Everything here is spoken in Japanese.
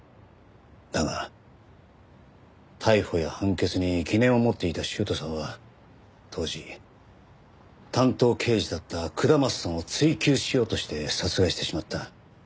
だが逮捕や判決に疑念を持っていた修斗さんは当時担当刑事だった下松さんを追及しようとして殺害してしまった。